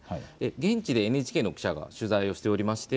現地でＮＨＫの記者が取材をしておりまして